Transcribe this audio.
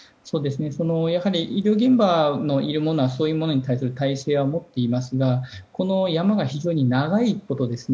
医療現場にいる者はそういうものに対する耐性は持っていますがこの山が非常に長いことですね。